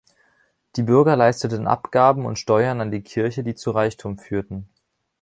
Die Bürger leisteten Abgaben und Steuern an die Kirche, die zu Reichtum führten.